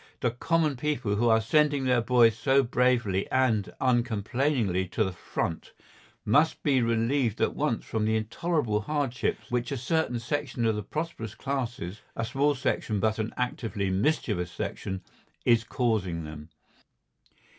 The common people, who are sending their boys so bravely and uncomplainingly to the front, must be relieved at once from the intolerable hardships which a certain section of the prosperous classes, a small section but an actively mischievous section, is causing them.